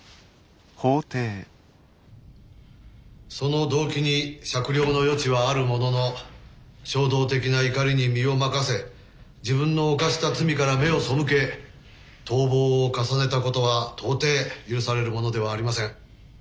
その動機に酌量の余地はあるものの衝動的な怒りに身を任せ自分の犯した罪から目を背け逃亡を重ねたことは到底許されるものではありません。